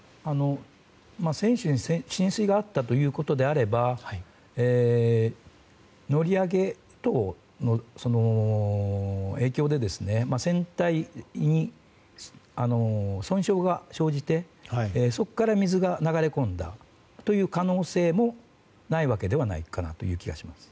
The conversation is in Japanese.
船首に浸水があったということであれば乗り上げ等の影響で船体に損傷が生じてそこから水が流れ込んだという可能性もないわけではないかなという気がします。